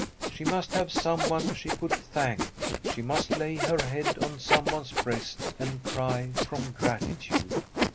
She must have someone she could thank. She must lay her head on someone's breast and cry from grati tude.